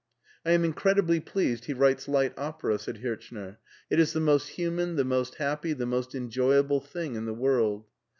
*' "I am incredibly pleased he writes light opera, said Hirchner ;'' it is the most human, the most happy, the most enjo)rable thing in the world."